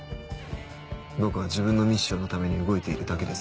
僕は自分のミッションのために動いているだけです。